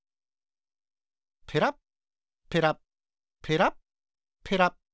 ペラッペラッペラッペラッ。